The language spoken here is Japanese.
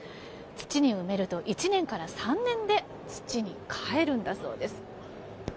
土に埋めると、１年から３年で土に返るんだそうです。